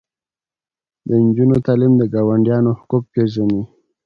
د نجونو تعلیم د ګاونډیانو حقوق پیژني.